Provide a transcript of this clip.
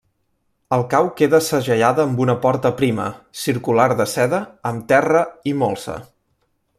El cau queda segellada amb una porta prima, circular de seda amb terra i molsa.